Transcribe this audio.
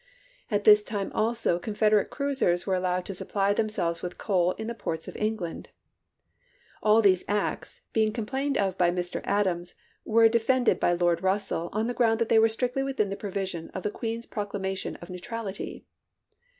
At this time also Confederate cruisers were allowed to supply themselves with coal in the ports of England. All these acts, being complained of by Mr. Adams, were defended by Lord Russell on the ground that they were strictly within the provision of the Queen's proclamation of neutrality.